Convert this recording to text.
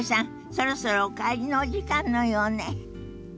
そろそろお帰りのお時間のようね。